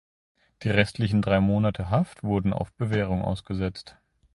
Die restlichen drei Monate Haft wurden auf Bewährung ausgesetzt.